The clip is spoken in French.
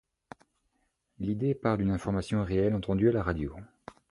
L'idée part d'une information réelle entendue à la radio.